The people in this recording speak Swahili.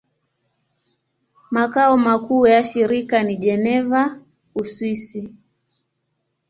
Makao makuu ya shirika ni Geneva, Uswisi.